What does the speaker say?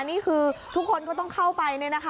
นี่คือทุกคนก็ต้องเข้าไป